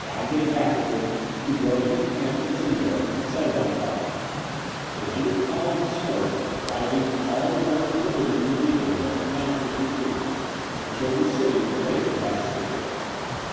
Five days afterwards, he broke up his camp at Zirndorf, and set it on fire. A hundred columns of smoke, rising from all the burning villages in the neighbourhood, announced his retreat, and showed the city the fate it had escaped.